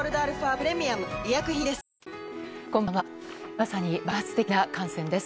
まさに爆発的な感染です。